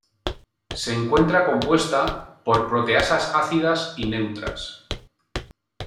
Se encuentra compuesta por proteasas ácidas y neutras.